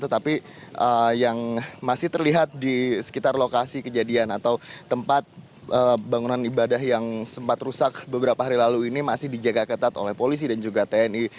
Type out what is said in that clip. tetapi yang masih terlihat di sekitar lokasi kejadian atau tempat bangunan ibadah yang sempat rusak beberapa hari lalu ini masih dijaga ketat oleh polisi dan juga tni